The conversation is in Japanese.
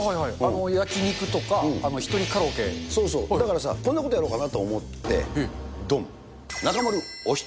焼き肉とか、そうそう、だからさ、こんなことやろうかなと思って、どん。